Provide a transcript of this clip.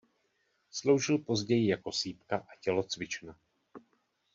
Sloužil později jako sýpka a tělocvična.